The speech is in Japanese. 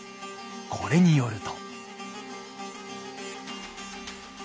これによると。